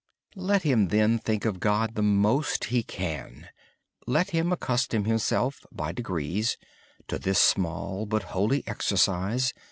Let him think of God as often as possible. Let him accustom himself, by degrees, to this small but holy exercise.